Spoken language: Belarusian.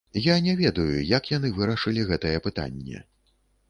Я не ведаю, як яны вырашылі гэтае пытанне.